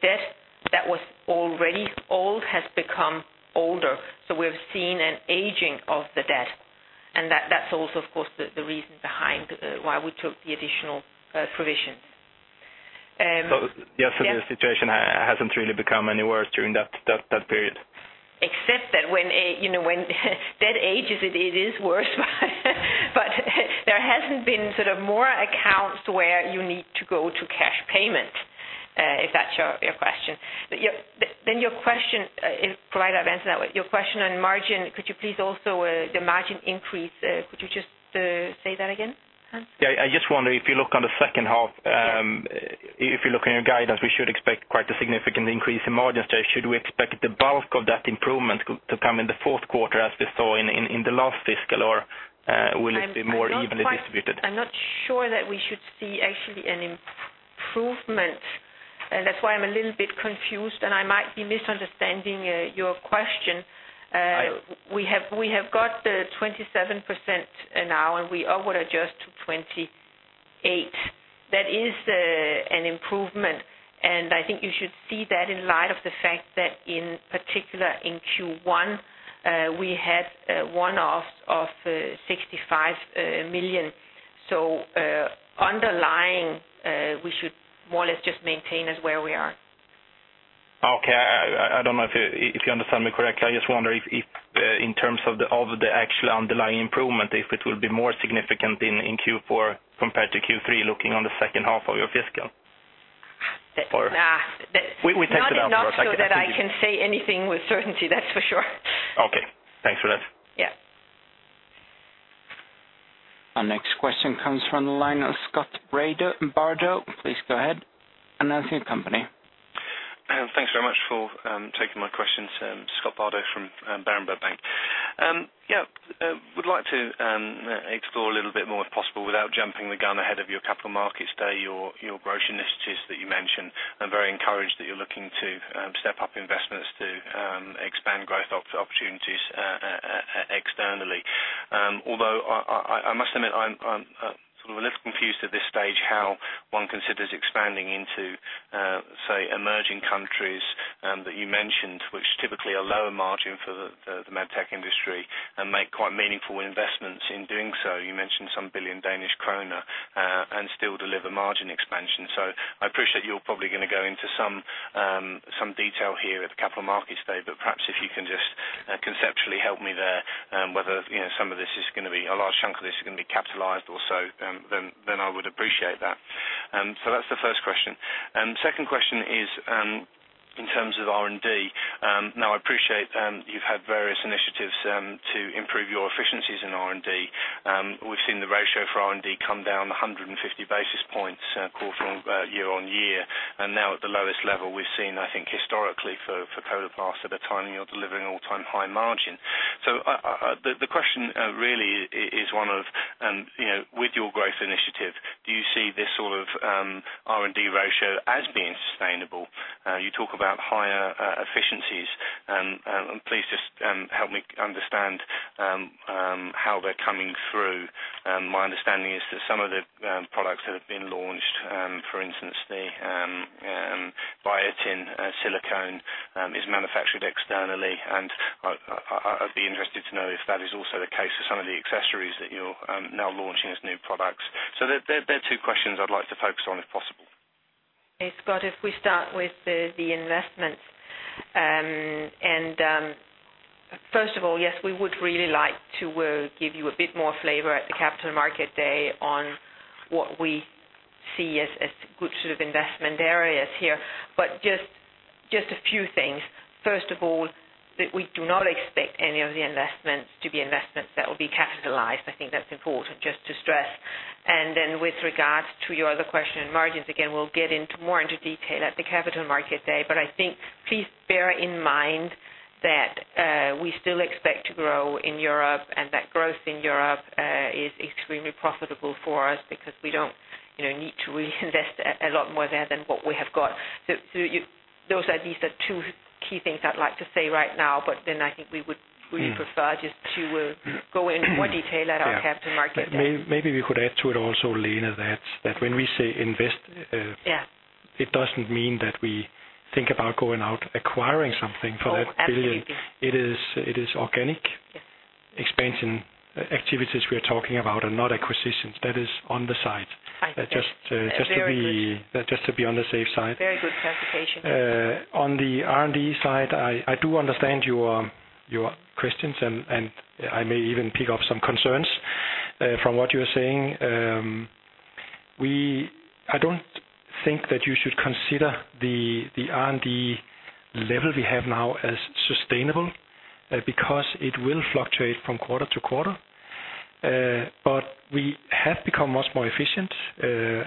S3: debt that was already old has become older. We've seen an aging of the debt. That's also, of course, the reason behind why we took the additional provision.
S9: Yesterday's situation hasn't really become any worse during that period?
S3: Except that when, you know, when debt ages, it is worse. There hasn't been sort of more accounts where you need to go to cash payment, if that's your question. Yeah, then your question, if I've answered that, your question on margin, could you please also, margin increase, could you just say that again?
S9: Yeah, I just wonder if you look on the second half, if you look in your guidance, we should expect quite a significant increase in margin. Should we expect the bulk of that improvement to come in the fourth quarter as we saw in the last fiscal, or will it be more evenly distributed?
S3: I'm not sure that we should see actually an improvement, and that's why I'm a little bit confused, and I might be misunderstanding, your question.
S9: I-
S3: % now, and we would adjust to 28%. That is an improvement, and I think you should see that in light of the fact that in particular, in Q1, we had a one-off of 65 million. Underlying, we should more or less just maintain as where we are
S9: Okay. I don't know if you understand me correctly. I just wonder if, in terms of the actual underlying improvement, if it will be more significant in Q4 compared to Q3, looking on the second half of your fiscal?
S3: Nah.
S9: We take it up.
S3: Not so that I can say anything with certainty, that's for sure.
S9: Okay, thanks for that.
S3: Yeah.
S1: Our next question comes from the line of Scott Bardo. Please go ahead, and state your company.
S10: Thanks very much for taking my questions. Scott Bardo from Berenberg Bank. would like to explore a little bit more, if possible, without jumping the gun ahead of your Capital Markets Day, your growth initiatives that you mentioned. I'm very encouraged that you're looking to step up investments to expand growth opportunities externally. I must admit, I'm sort of a little confused at this stage how one considers expanding into say, emerging countries that you mentioned, which typically are lower margin for the med tech industry, and make quite meaningful investments in doing so. You mentioned some billion Danish kroner and still deliver margin expansion. I appreciate you're probably going to go into some detail here at the Capital Markets Day, but perhaps if you can just conceptually help me there, whether, you know, some of this is going to be, a large chunk of this is going to be capitalized or so, then I would appreciate that. That's the first question. Second question is, in terms of R&D. Now, I appreciate, you've had various initiatives, to improve your efficiencies in R&D. We've seen the ratio for R&D come down 150 basis points, quarter year-over-year, and now at the lowest level we've seen, I think, historically for Coloplast at a time you're delivering all-time high margin. I, uh, the question really is one of, you know, with your growth initiative, do you see this sort of R&D ratio as being sustainable? You talk about higher efficiencies, and please just help me understand how they're coming through. My understanding is that some of the products that have been launched, for instance, the Biatain Silicone, is manufactured externally. And I'd be interested to know if that is also the case for some of the accessories that you're now launching as new products. They're two questions I'd like to focus on, if possible.
S3: Hey, Scott, if we start with the investments. First of all, yes, we would really like to give you a bit more flavor at the Capital Markets Day on what we see as good sort of investment areas here. Just a few things. First of all, that we do not expect any of the investments to be investments that will be capitalized. I think that's important just to stress. Then with regards to your other question, margins, again, we'll get into more into detail at the Capital Markets Day, I think please bear in mind that we still expect to grow in Europe, and that growth in Europe is extremely profitable for us because we don't, you know, need to reinvest a lot more there than what we have got. Those at least are two key things I'd like to say right now, but then I think we would really prefer just to go into more detail at our Capital Markets.
S2: Maybe we could add to it also, Lene, that when we say invest.
S3: Yeah.
S2: It doesn't mean that we think about going out acquiring something for that 1 billion.
S3: Absolutely.
S2: It is, it is organic-
S3: Yes.
S2: Expansion activities we are talking about and not acquisitions. That is on the side.
S3: I-
S2: Just to be on the safe side.
S3: Very good clarification.
S2: On the R&D side, I do understand your questions, and I may even pick up some concerns from what you're saying. I don't think that you should consider the R&D level we have now as sustainable, because it will fluctuate from quarter to quarter. We have become much more efficient,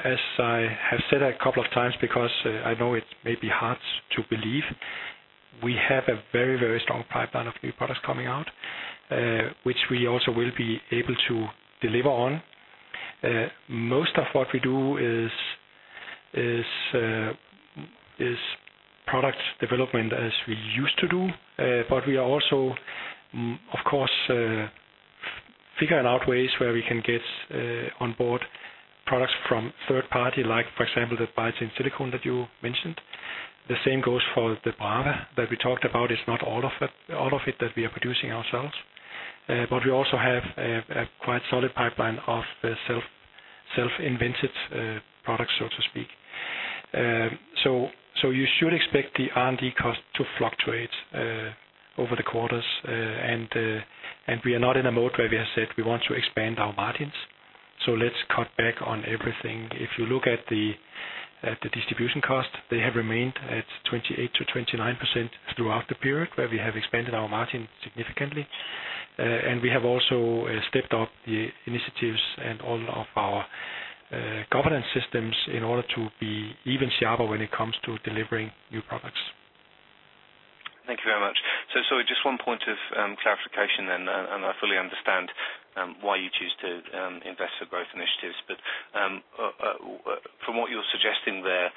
S2: as I have said a couple of times, because I know it may be hard to believe. We have a very, very strong pipeline of new products coming out, which we also will be able to deliver on. Most of what we do is product development as we used to do, we are also, of course, figuring out ways where we can get on board products from third party, like, for example, the Biatain Silicone that you mentioned. The same goes for the product that we talked about. It's not all of it that we are producing ourselves, but we also have a quite solid pipeline of self-invented products, so to speak. You should expect the R&D cost to fluctuate over the quarters. We are not in a mode where we have said we want to expand our margins. Let's cut back on everything. If you look at the distribution cost, they have remained at 28%-29% throughout the period where we have expanded our margin significantly. We have also stepped up the initiatives and all of our governance systems in order to be even sharper when it comes to delivering new products.
S10: Thank you very much. Sorry, just one point of clarification then, and I fully understand why you choose to invest for growth initiatives. From what you're suggesting there,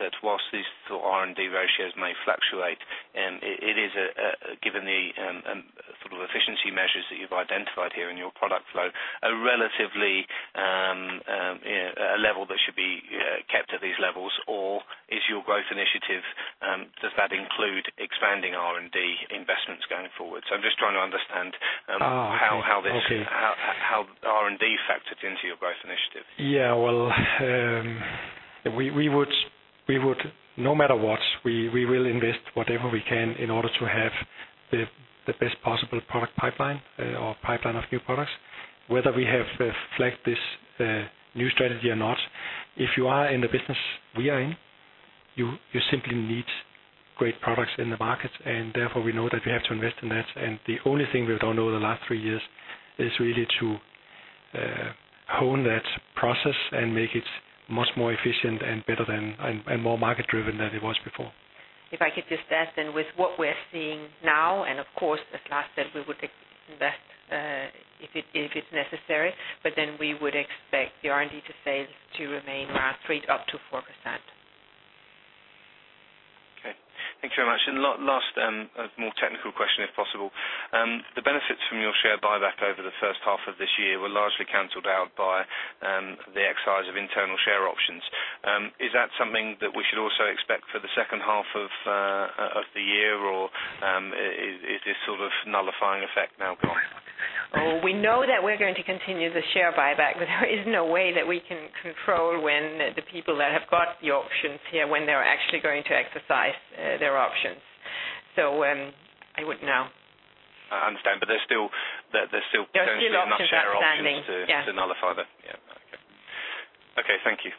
S10: that whilst these two R&D ratios may fluctuate, and it is a given the sort of efficiency measures that you've identified here in your product flow, a relatively a level that should be kept at these levels. Does that include expanding R&D investments going forward? I'm just trying to understand.
S2: Okay.
S10: How R&D factors into your growth initiative?
S2: Yeah, well, we would, no matter what, we will invest whatever we can in order to have the best possible product pipeline, or pipeline of new products. Whether we have flagged this new strategy or not, if you are in the business we are in, you simply need great products in the market, and therefore, we know that we have to invest in that. The only thing we've done over the last three years is really to hone that process and make it much more efficient and better than, and more market-driven than it was before.
S3: If I could just add, with what we're seeing now. Of course, as Lars said, we would invest if it, if it's necessary. We would expect the R&D to stay, to remain around 3%-4%.
S10: Thank you very much. Last, a more technical question, if possible. The benefits from your share buyback over the first half of this year were largely canceled out by the exercise of internal share options. Is that something that we should also expect for the second half of the year, or is this sort of nullifying effect now gone?
S3: We know that we're going to continue the share buyback, but there is no way that we can control when the people that have got the options here, when they're actually going to exercise their options. I wouldn't know.
S10: I understand, but there's still.
S3: There's still options outstanding.
S10: -to nullify that. Yeah. Okay. Thank you.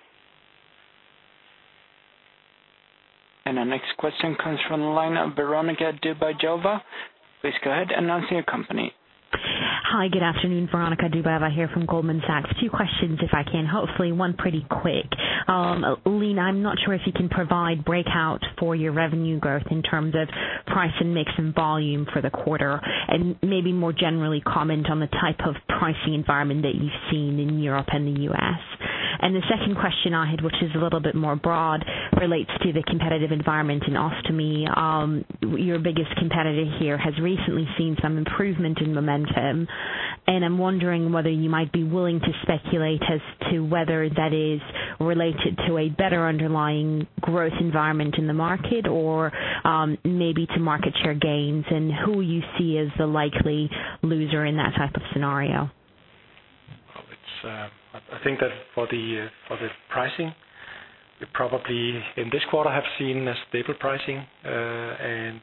S1: Our next question comes from the line of Veronika Dubajova. Please go ahead, announce your company.
S11: Hi, good afternoon, Veronika Dubajova here from Goldman Sachs. Two questions, if I can? Hopefully, one pretty quick. Lene, I'm not sure if you can provide breakout for your revenue growth in terms of price, and mix, and volume for the quarter, and maybe more generally, comment on the type of pricing environment that you've seen in Europe and the U.S. The second question I had, which is a little bit more broad, relates to the competitive environment in Ostomy. Your biggest competitor here has recently seen some improvement in momentum, and I'm wondering whether you might be willing to speculate as to whether that is related to a better underlying growth environment in the market, or, maybe to market share gains, and who you see as the likely loser in that type of scenario.
S2: It's I think that for the pricing, we probably, in this quarter, have seen a stable pricing, and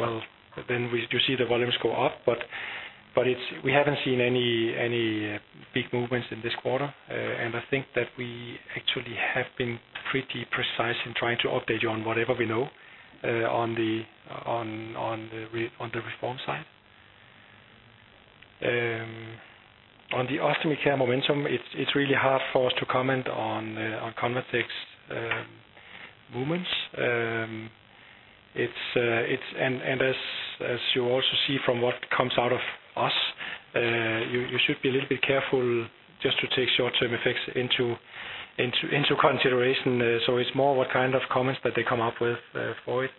S2: well, then we do see the volumes go up. It's, we haven't seen any big movements in this quarter. I think that we actually have been pretty precise in trying to update you on whatever we know, on the reform side. On the Ostomy care momentum, it's really hard for us to comment on Convatec's movements. As you also see from what comes out of us, you should be a little bit careful just to take short-term effects into consideration. It's more what kind of comments that they come up with for it.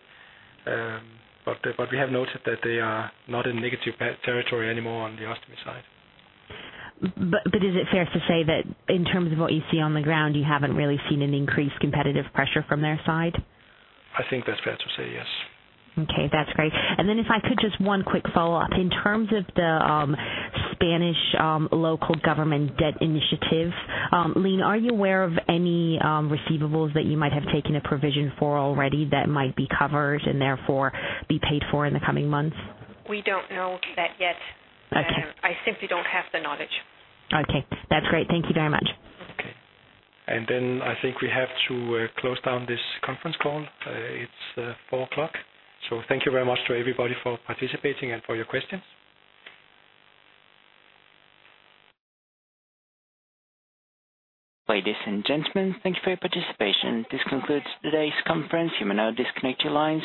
S2: We have noted that they are not in negative territory anymore on the Ostomy side.
S11: Is it fair to say that in terms of what you see on the ground, you haven't really seen an increased competitive pressure from their side?
S2: I think that's fair to say, yes.
S11: Okay, that's great. If I could, just one quick follow-up. In terms of the Spanish local government debt initiative, Lene, are you aware of any receivables that you might have taken a provision for already that might be covered and therefore be paid for in the coming months?
S3: We don't know that yet.
S11: Okay.
S3: I simply don't have the knowledge.
S11: Okay, that's great. Thank you very much.
S2: Okay. I think we have to close down this conference call. It's 4:00 P.M. Thank you very much to everybody for participating and for your questions.
S1: Ladies and gentlemen, thank you for your participation. This concludes today's conference. You may now disconnect your lines.